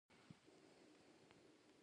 پکتیا د افغان کورنیو د دودونو مهم عنصر دی.